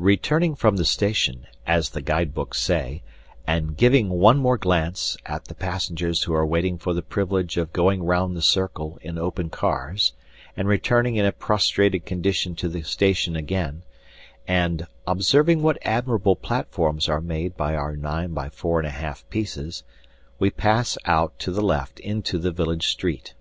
"Returning from the station," as the guide books say, and "giving one more glance" at the passengers who are waiting for the privilege of going round the circle in open cars and returning in a prostrated condition to the station again, and "observing" what admirable platforms are made by our 9 x 4 1/2 pieces, we pass out to the left into the village street.